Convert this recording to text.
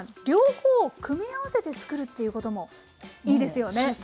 両方を組み合わせて作るということもいいですよね？